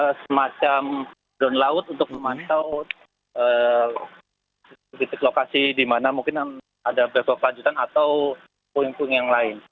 jadi semacam down laut untuk memanjau titik lokasi di mana mungkin ada berapa panjutan atau poin poin yang lain